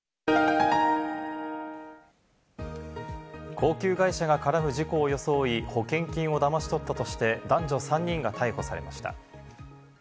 高級外車が絡む事故を装い、保険金をだまし取ったとして男女３人が逮捕されました。